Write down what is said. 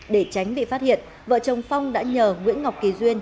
để tránh bị phát hiện vợ chồng phong đã nhờ nguyễn ngọc kỳ duyên